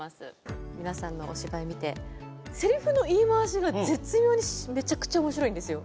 皆さんのお芝居見てせりふの言い回しが絶妙にめちゃくちゃ面白いんですよ。